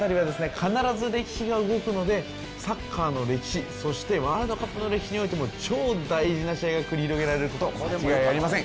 必ず歴史が動くのでサッカーの歴史そしてワールドカップの歴史においても超大事な試合が繰り広げられること間違いありません。